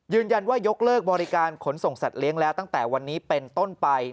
ยกเลิกบริการขนส่งสัตว์เลี้ยงแล้วตั้งแต่วันนี้เป็นต้นไป